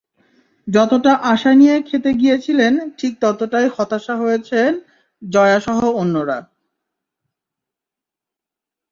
যতটা আশা নিয়ে খেতে গিয়েছিলেন ঠিক ততটাই হতাশ হয়েছেন জয়াসহ অন্যরা।